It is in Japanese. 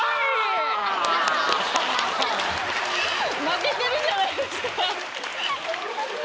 負けてるじゃないですか！